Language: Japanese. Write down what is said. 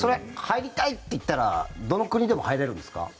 入りたいって言ったらどの国でも入れるんですか？